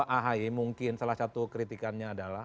bahwa ahaye mungkin salah satu kritikannya adalah